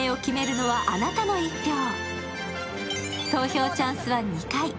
投票チャンスは２回。